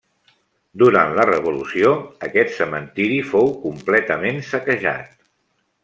Durant la Revolució, aquest cementiri fou completament saquejat.